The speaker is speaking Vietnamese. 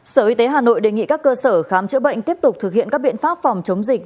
sở y tế hà nội đề nghị các cơ sở khám chữa bệnh tiếp tục thực hiện các biện pháp phòng chống dịch